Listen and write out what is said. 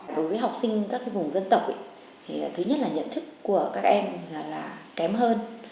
đối với học sinh các vùng dân tộc thì thứ nhất là nhận thức của các em là kém hơn